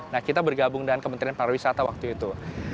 nah kita bergabung dengan kementerian para wisata waktu itu